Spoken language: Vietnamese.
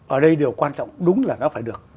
ở đây điều quan trọng đúng là nó phải được